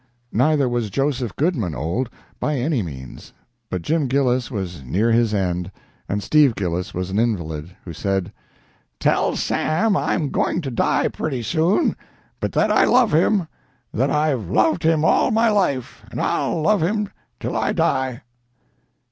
Neither was Joseph Goodman old, by any means, but Jim Gillis was near his end, and Steve Gillis was an invalid, who said: "Tell Sam I'm going to die pretty soon, but that I love him; that I've loved him all my life, and I'll love him till I die."